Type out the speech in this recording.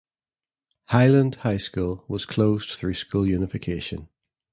Highland High School was closed through school unification.